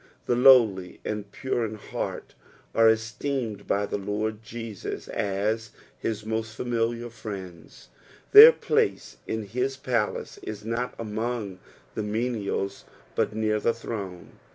The lowly and pure Id heart are esteemed by the Lord Jeaua as his most familiar friends, their place in his palace is not among the meniala but near the throne.